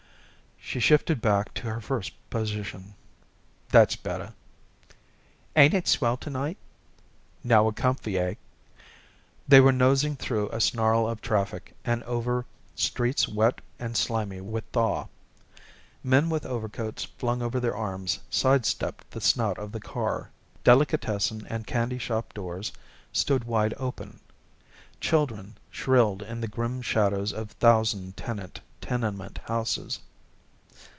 She shifted back to her first position. "That's better." "Ain't it a swell night?" "Now we're comfy eh?" They were nosing through a snarl of traffic and over streets wet and slimy with thaw. Men with overcoats flung over their arms side stepped the snout of the car. Delicatessen and candy shop doors stood wide open. Children shrilled in the grim shadows of thousand tenant tenement houses.